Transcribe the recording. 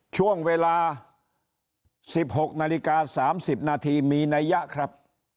ช่วงเวลา๑๖นาฬิกา๓๐นาทีมีนัยยะครับ